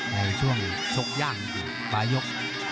ในช่วงชกย่างปลายยก